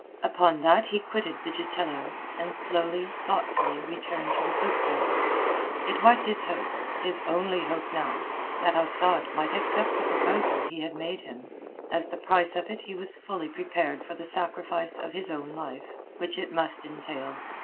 Upon that he quitted Vigitello, and slowly, thoughtfully, returned to the poop deck. It was his hope—his only hope now—that Asad might accept the proposal he had made him. As the price of it he was fully prepared for the sacrifice of his own life, which it must entail.